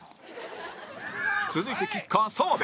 続いてキッカー澤部